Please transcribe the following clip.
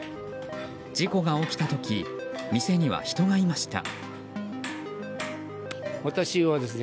事故が起きた時店には人がいました。